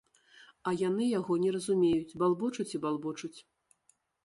А яны яго не разумеюць, балбочуць і балбочуць.